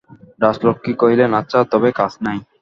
রাজলক্ষ্মী কহিলেন, আচ্ছা, তবে কাজ নাই।